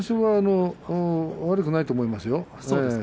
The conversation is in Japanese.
悪くないと思いますよ。